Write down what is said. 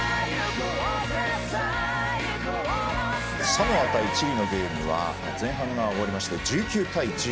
サモア対チリのゲームは前半が終わりまして１９対１０。